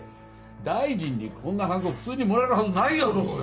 大臣にこんなハンコ普通にもらえるはずないやろうが。